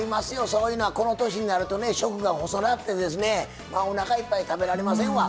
そういうのは、この年になると食が細くなっておなかいっぱい食べられませんわ。